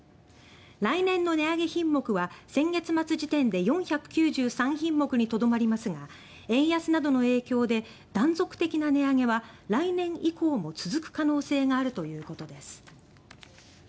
来年の値上げ品目は先月末時点で４９３品目にとどまりますが円安などの影響で断続的な値上げは来年以降も続く可能性があるということです。